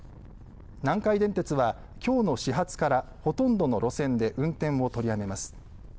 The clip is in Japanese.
南海電鉄はきょうの始発からほとんどの路線で運転を取りやめます。